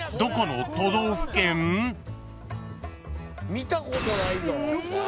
見たことないぞ。